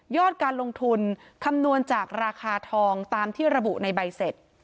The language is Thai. การลงทุนคำนวณจากราคาทองตามที่ระบุในใบเสร็จ